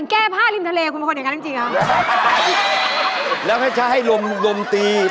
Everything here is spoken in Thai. ก็ใช่ลมตี